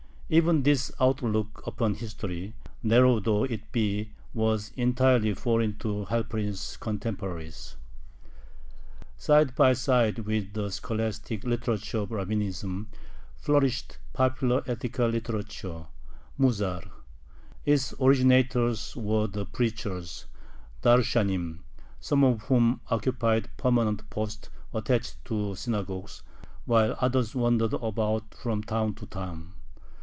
Even this outlook upon history, narrow though it be, was entirely foreign to Halperin's contemporaries. Side by side with the scholastic literature of Rabbinism flourished popular ethical literature (musar). Its originators were the preachers (darshanim), some of whom occupied permanent posts attached to synagogues, while others wandered about from town to town.